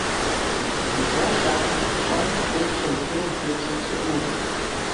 Die Kommission scheint sich zu scheuen, die türkische Regierung hierzu zu ermuntern.